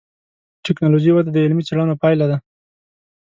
د ټکنالوجۍ وده د علمي څېړنو پایله ده.